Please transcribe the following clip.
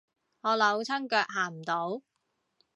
我扭親腳行唔到